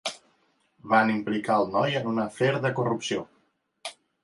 Van implicar el noi en un afer de corrupció.